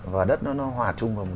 và đất nó hòa chung